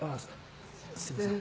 すいません。